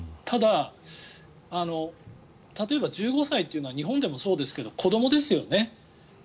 ただ、例えば１５歳というのは日本でもそうですけど子どもですよね。